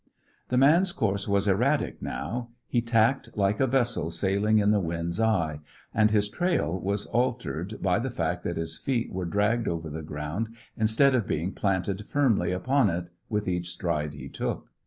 The man's course was erratic now; he tacked like a vessel sailing in the wind's eye; and his trail was altered by the fact that his feet were dragged over the ground instead of being planted firmly upon it with each stride he took.